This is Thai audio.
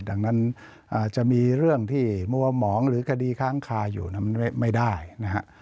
ดังนั้นจะมีเรื่องที่มัวหมองหรือคดีค้างคาอยู่มันไม่ได้นะฮะ